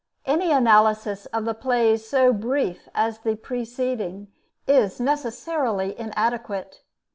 Any analysis of the plays so brief as the preceding is necessarily inadequate.